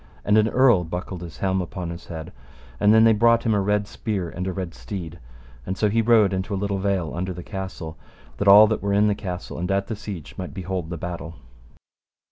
And an earl buckled his helm upon his head, and then they brought him a red spear and a red steed, and so he rode into a little vale under the castle, that all that were in the castle and at the siege might behold the battle.